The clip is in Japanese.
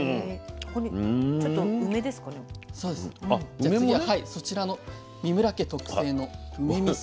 じゃ次はそちらの三村家特製の梅みそ。